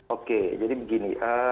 oke jadi begini